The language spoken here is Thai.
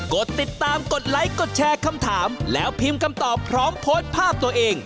กดติดตามกดไลค์กดแชร์คำถามแล้วพิมพ์คำตอบพร้อมโพสต์ภาพตัวเอง